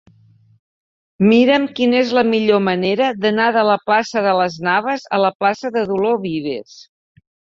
Mira'm quina és la millor manera d'anar de la plaça de Las Navas a la plaça de Dolors Vives.